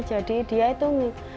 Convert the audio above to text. jadi dia itu nih